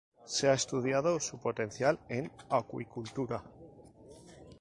Se ha estudiado su potencial en acuicultura.